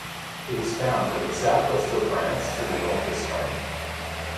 It is found from the southwest of France to the north of Spain.